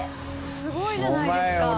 すごいじゃないですか。